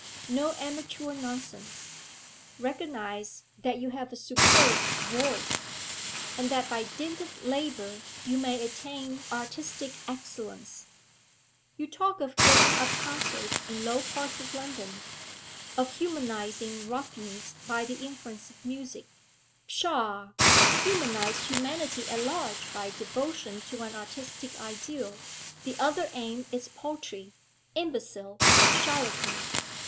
No amateur nonsense; recognise that you have a superb voice, and that by dint of labour you may attain artistic excellence. You talk of getting up concerts in low parts of London, of humanising ruffians by the influence of music. Pshaw! humanise humanity at large by devotion to an artistic ideal; the other aim is paltry, imbecile, charlatan.'